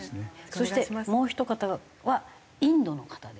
そしてもうひと方はインドの方で。